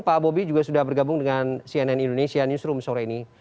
pak bobi juga sudah bergabung dengan cnn indonesia newsroom sore ini